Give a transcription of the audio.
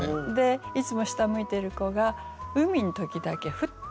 いつも下向いている子が海の時だけふっと表情を変えた。